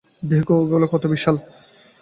দেখো, ওগুলো কত বিশাল!